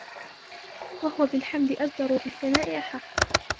وَهُوَ بِالْحَمْدِ أَجْدَرُ وَبِالثَّنَاءِ أَحَقُّ